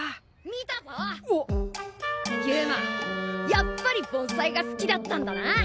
やっぱり盆栽が好きだったんだな！